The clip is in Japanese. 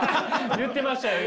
言ってましたよ